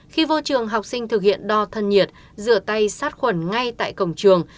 khi vô trường học sinh thực hiện đo thân nhiệt rửa tay sát khuẩn ngay tại cổng trường